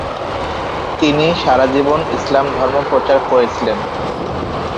তিনি সারা জীবন ইসলাম ধর্ম প্রচার করেছিলেন।